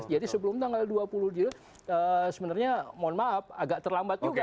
jadi sebelum tanggal dua puluh dua sebenarnya mohon maaf agak terlambat juga